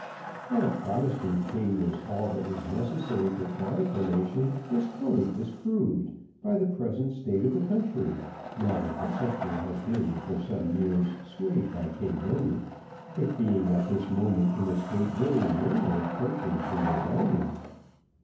That a Protestant king was all that was necessary to quiet the nation, is fully disproved by the present state of the country, now that the sceptre has been, for some years, swayed by King William, it being, at this moment, in a state very nearly approaching to rebellion."